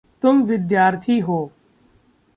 तुम विद्यार्थी हो।